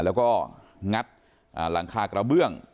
แล้วก็งัดหลังคากระเบื้อง